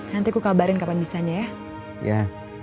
nanti aku kabarin kapan bisanya ya